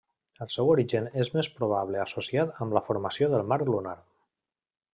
El seu origen és més probable associat amb la formació del mar lunar.